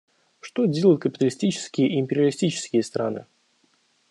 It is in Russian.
Что делают капиталистические и империалистические страны?